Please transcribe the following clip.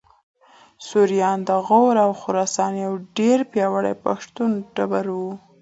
سوریان د غور او خراسان یو ډېر پیاوړی پښتون ټبر و